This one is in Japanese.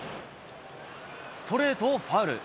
ストレートをファウル。